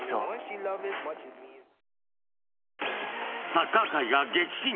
サッカー界が激震！